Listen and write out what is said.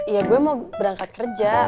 ya gue mau berangkat kerja